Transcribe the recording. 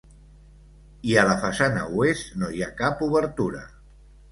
I a la façana oest no hi ha cap obertura.